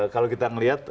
kalau kita melihat